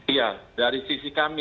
iya dari sisi kami